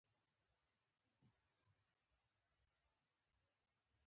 دا منګوټی د موزیم دروازې ته نژدې پر مېز ایښی و.